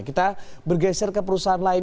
kita bergeser ke perusahaan lain